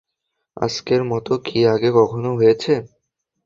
আজকের মত কি আগে কখনো হয়েছে?